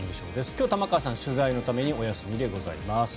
今日、玉川さんは取材のためお休みでございます。